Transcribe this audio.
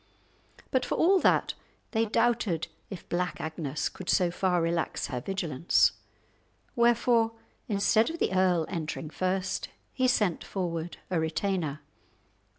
But for all that, they doubted if Black Agnes could so far relax her vigilance; wherefore instead of the earl entering first, he sent forward a retainer.